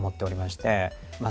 まあ